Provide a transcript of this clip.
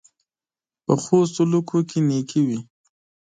پخو سلوکو کې نېکي وي